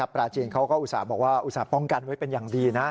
ปลาจีนเขาก็อุตส่าห์บอกว่าอุตส่าห์ป้องกันไว้เป็นอย่างดีนะ